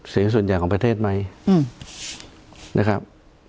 เสียงส่วนใหญ่ของประเทศไหมนะครับ